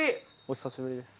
お久しぶりです。